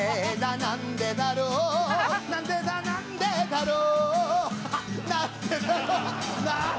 「なんでだろうなんでだなんでだろう」